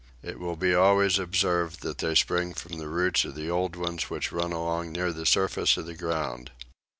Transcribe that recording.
It will be always observed that they spring from the roots of the old ones which run along near the surface of the ground.